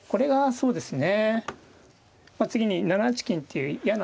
そうですね。